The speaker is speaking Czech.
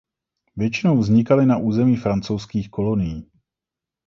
Většinou vznikaly na území francouzských kolonií.